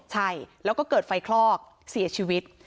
ใช่แล้วก็เกิดไฟคลอกเสียชีวิต